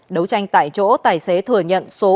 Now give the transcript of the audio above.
đấu tranh tại chỗ tài xế thừa nhận số